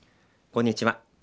こんにちは。